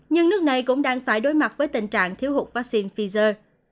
nhưng nước này cũng đang phải đối mặt với tình trạng thiếu hụt vaccine pfizer